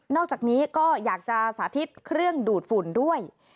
อกจากนี้ก็อยากจะสาธิตเครื่องดูดฝุ่นด้วย